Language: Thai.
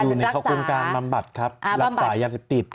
อยู่ในเข้าโครงการบำบัดครับรักษายาเสพติด